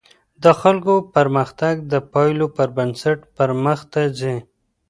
د خلګو پرمختګ د پایلو پر بنسټ پرمخته ځي.